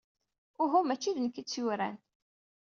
Uhu, maci d nekk ay tt-yuran.